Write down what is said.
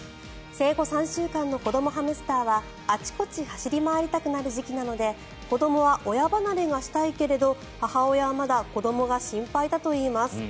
生後３週間の子どもハムスターはあちこち走り回りたくなる時期なので子どもは親離れがしたいけれど母親はまだ子どもが心配だといいます。